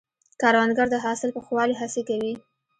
کروندګر د حاصل په ښه والي هڅې کوي